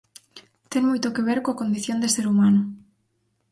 Ten moito que ver coa condición de ser humano.